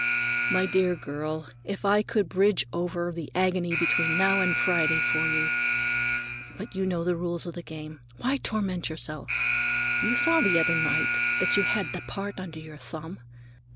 "My dear girl, if I could bridge over the agony between now and Friday for you—But you know the rules of the game; why torment yourself? You saw the other night that you had the part under your thumb.